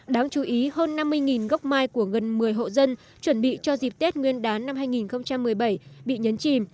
đáng chú ý hơn năm mươi gốc mai của gần một mươi hộ dân chuẩn bị cho dịp tết nguyên đán năm hai nghìn một mươi bảy bị nhấn chìm